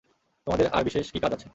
তোমাদের আর বিশেষ কি কাজ আছে?